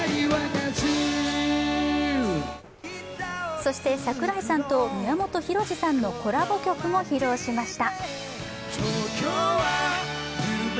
そして櫻井さんと宮本浩次さんのコラボ曲も披露しました。